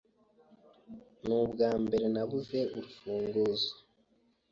Nubwambere nabuze urufunguzo.